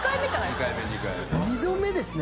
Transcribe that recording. ２度目ですね。